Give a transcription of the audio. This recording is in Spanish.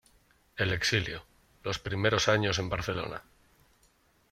El exilio, los primeros años en Barcelona.